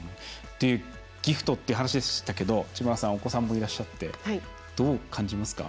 ギフトっていう話でしたが知花さんはお子さんもいらっしゃってどう感じますか？